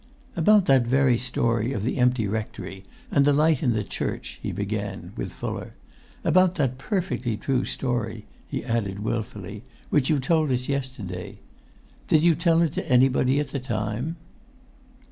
"About that very story of the empty rectory and the light in the church," he began, with Fuller—"about that perfectly true story," he added, wilfully, "which you told us yesterday. Did you tell it to anybody at the time?"